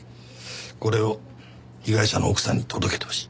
これを被害者の奥さんに届けてほしい。